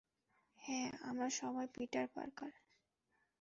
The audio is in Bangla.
হ্যাঁ, আমরা সবাই পিটার পার্কার।